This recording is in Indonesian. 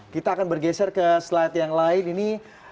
kita akan bergeser ke slide yang lain ini